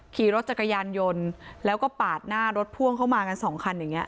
ขี่รถจักรยานยนต์แล้วก็ปาดหน้ารถพ่วงเข้ามากันสองคันอย่างนี้